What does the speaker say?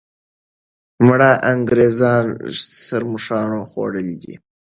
مړه انګریزان ښرموښانو خوړلي دي.